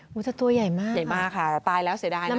งูจะตัวใหญ่มากตายแล้วเสียดายนะ